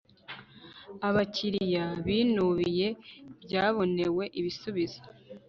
abakiriya binubiye byabonewe ibisubizo